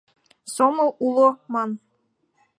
Сомыл уло, ман...